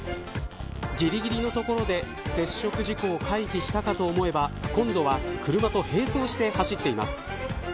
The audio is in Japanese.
ぎりぎりのところで接触事故を回避したかと思えば今度は車と並走して走っています。